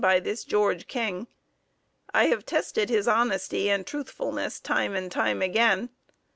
by this George King. I have tested his honesty and truthfulness time and time again.